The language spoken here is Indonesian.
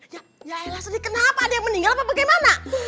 ya ya elah sedih kenapa dia meninggal apa bagaimana